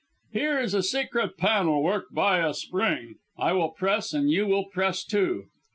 "Here is a secret panel worked by a spring. I will press, and you will press too."